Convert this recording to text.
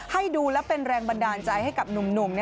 ให้ดูและเป็นแรงบันดาลใจให้กับหนุ่ม